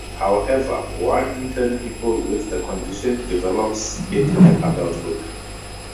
However, one in ten people with the condition develops it in adulthood.